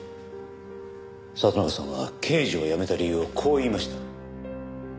里中さんは刑事を辞めた理由をこう言いました。